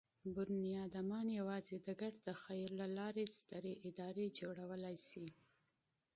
انسانان یواځې د ګډ تخیل له لارې سترې ادارې جوړولی شي.